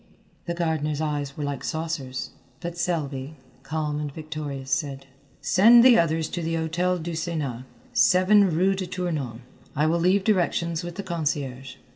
The gardener's eyes were like saucers, but Selby, calm and victorious, said: "Send the others to the Hôtel du Sénat, 7 rue de Tournon. I will leave directions with the concierge."